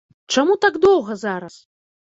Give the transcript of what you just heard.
Чаму так доўга зараз?